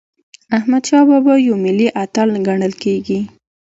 احمدشاه بابا یو ملي اتل ګڼل کېږي.